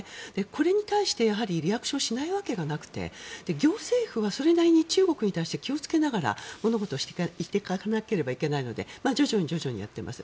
これに対してやはりリアクションをしないわけではなくて行政府はそれなりに中国に対して気をつけながら物事をしていかなければいけないので徐々にやっています。